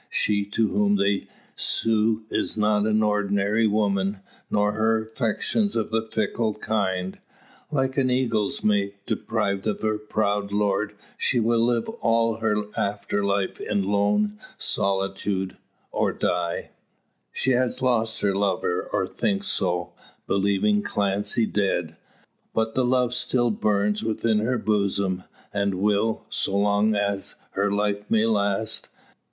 She to whom they sue is not an ordinary woman; nor her affections of the fickle kind. Like the eagle's mate, deprived of her proud lord, she will live all her after life in lone solitude or die. She has lost her lover, or thinks so, believing Clancy dead; but the love still burns within her bosom, and will, so long as her life may last.